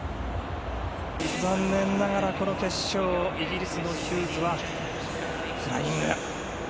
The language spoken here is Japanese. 残念ながらこの決勝、イギリスのヒューズはフライング。